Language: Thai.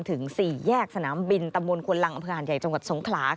ถึง๔แยกสนามบินตำบลควนลังอำเภอหาดใหญ่จังหวัดสงขลา